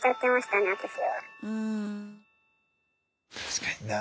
確かにな。